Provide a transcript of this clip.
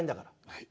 はい。